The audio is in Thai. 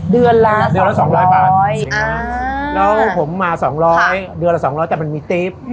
เดือนละสองร้อยบาทอ่าแล้วผมมาสองร้อยเดือนละสองร้อยแต่มันมีตี๊บ